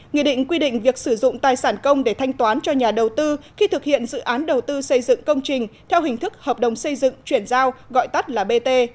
nghị định quy định việc sử dụng tài sản công để thanh toán cho nhà đầu tư khi thực hiện dự án đầu tư xây dựng công trình theo hình thức hợp đồng xây dựng chuyển giao gọi tắt là bt